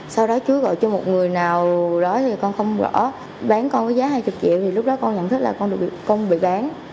sau đó chúa gọi cho một người nào đó thì con không rõ bán con với giá hai mươi triệu thì lúc đó con nhận thức là con được con bị bán